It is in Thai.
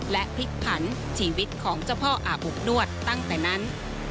และพลิกผันชีวิตของเจ้าพ่ออาบอบนวดตั้งแต่นั้น